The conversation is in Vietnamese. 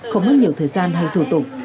không mất nhiều thời gian hay thủ tục